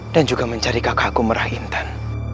dan juga mencari kakakku merah intan